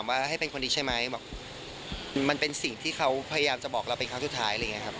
มันเป็นสิ่งที่เขาพยายามจะบอกเราเป็นครั้งสุดท้าย